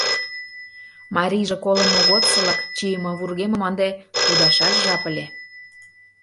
Марийже колымо годсылак чийыме вургемым ынде кудашаш жап ыле.